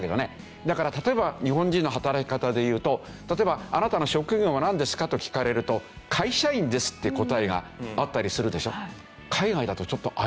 だから例えば日本人の働き方でいうと例えば「あなたの職業はなんですか？」と聞かれると「会社員です」って答えがあったりするでしょ。